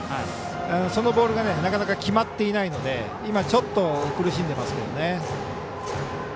そのボールがなかなか決まっていないので今、ちょっと苦しんでますね。